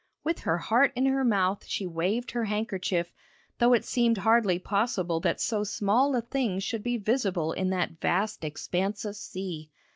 With her heart in her mouth she waved her handkerchief, though it seemed hardly possible that so small a thing should be visible in that vast expanse of sea.